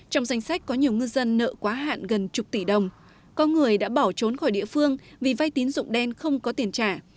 trong danh sách có nhiều ngư dân nợ quá hạn gần chục tỷ đồng có người đã bỏ trốn khỏi địa phương vì vay tín dụng đen không có tiền trả